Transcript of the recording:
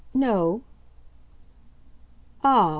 "No." "Ah!"